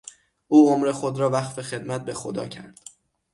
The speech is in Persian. او عمر خود را وقف خدمت به خدا کرد.